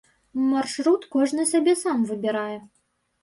Маршрут кожны сабе сам выбірае.